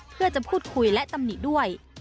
เพื่อจะพูดคุยและตำหนิด้วย